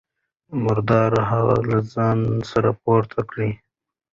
مراد هغه له ځانه سره پورته کړ.